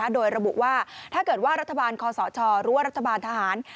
โดยระบุว่าถ้าเกิดว่ารัฐบาลคอสชหรือว่ารัฐบาลทหาร